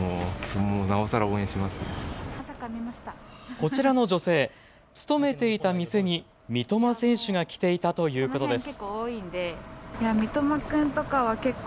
こちらの女性、勤めていた店に三笘選手が来ていたということです。